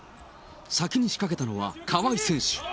先に仕掛けたのは川井選手。